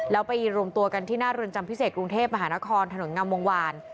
แล้วไปรวมตัวกันที่หน้าเรือนจำพิเศษกรุงเทพมหานครถนนงามวงวาน